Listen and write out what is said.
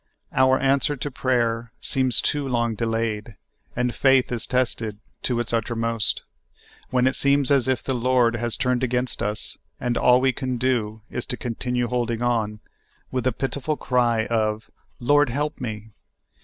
Our answer to prayer seems too long delayed, and faith is tested to its uttermost, when it seems as if the I^ord has turned against us and all we can do is to continue holding on, with the pitiful cry of " lyord, help me!"